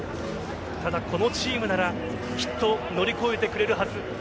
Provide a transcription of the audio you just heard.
ただ、このチームならきっと乗り越えてくれるはず。